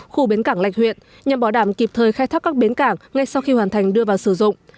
khu bến cảng lạch huyện nhằm bảo đảm kịp thời khai thác các bến cảng ngay sau khi hoàn thành đưa vào sử dụng